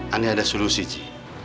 ani ada solusi ji